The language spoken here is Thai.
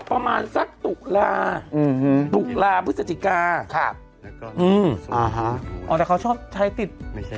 ประมาณสักปุราณอืมมตุลาพฤศจิกาครับอ่าฮะอ๋อแต่เขาชอบใช้ติด